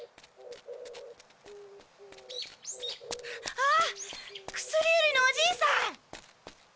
あっ薬売りのおじいさん！